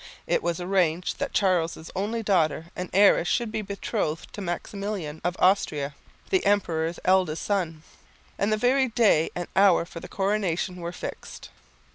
It was arranged that Charles' only daughter and heiress should be betrothed to Maximilian of Austria, the emperor's eldest son, and the very day and hour for the coronation were fixed.